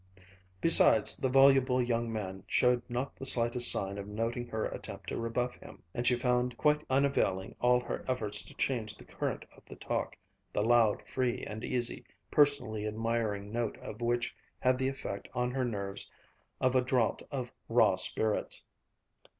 Besides, the voluble young man showed not the slightest sign of noting her attempt to rebuff him, and she found quite unavailing all her efforts to change the current of the talk, the loud, free and easy, personally admiring note of which had the effect on her nerves of a draught of raw spirits.